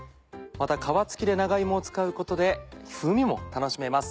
また皮付きで長芋を使うことで風味も楽しめます。